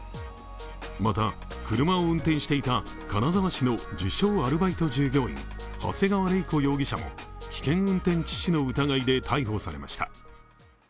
また、車を運転していた金沢市の自称・アルバイト従業員長谷川玲子容疑者も危険運転致死の疑いで逮捕されました。